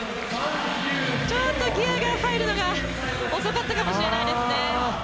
ちょっとギアが入るのが遅かったかもしれないですね。